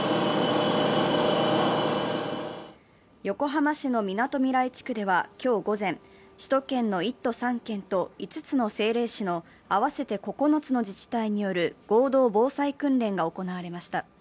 横浜市のみなとみらい地区では今日午前、首都圏の１都３県と５つの政令市の合わせて９つの自治体による合同防災訓練が行われました。